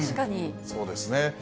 そうですね。